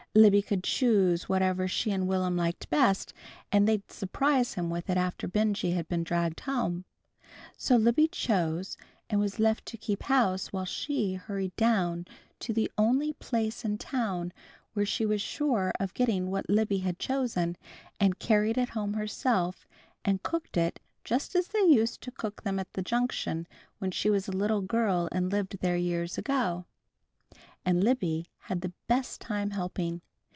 Libby could choose whatever she and Will'm liked best, and they'd surprise him with it after Benjy had been dragged home. So Libby chose, and was left to keep house while She hurried down to the only place in town where she was sure of getting what Libby had chosen, and carried it home herself, and cooked it just as they used to cook them at the Junction when she was a little girl and lived there years ago. And Libby had the best time helping.